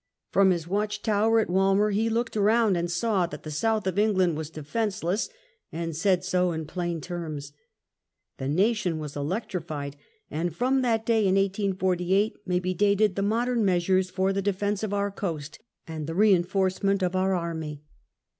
From his watch tower at Walmer he looked around, saw that the South of England was defenceless, and said so in plain terms. The nation was electrified, and from that day in 1848 maybe dated the modem measures for the defence of our coast and the reinforcement of our army.